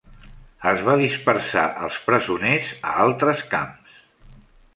Es va dispersar els presoners a altres camps.